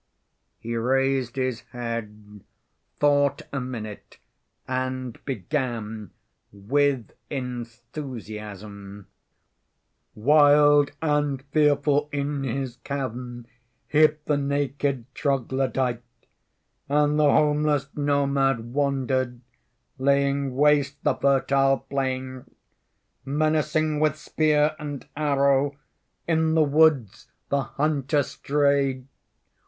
He raised his head, thought a minute, and began with enthusiasm: "Wild and fearful in his cavern Hid the naked troglodyte, And the homeless nomad wandered Laying waste the fertile plain. Menacing with spear and arrow In the woods the hunter strayed....